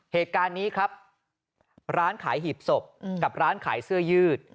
เหตุการณ์นี้ครับร้านขายหีบศพกับร้านขายเสื้อยืด